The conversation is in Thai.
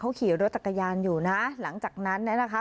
เขาขี่รถจักรยานอยู่นะหลังจากนั้นเนี่ยนะคะ